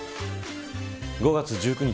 ５月１９日